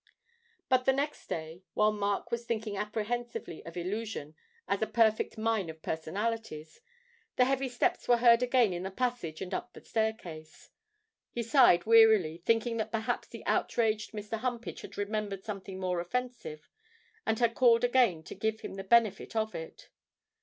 But the next day, while Mark was thinking apprehensively of 'Illusion' as a perfect mine of personalities, the heavy steps were heard again in the passage and up the staircase; he sighed wearily, thinking that perhaps the outraged Mr. Humpage had remembered something more offensive, and had called again to give him the benefit of it.